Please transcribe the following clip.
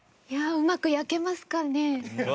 いやあうまく焼けますかね？